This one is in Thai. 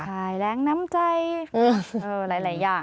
ใช่แรงน้ำใจหลายอย่าง